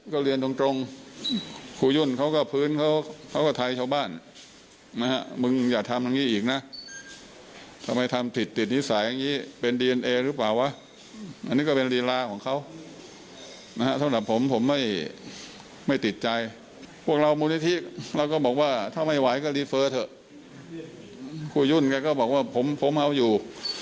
ครูยุ่นแกก็บอกว่าผมเอาอยู่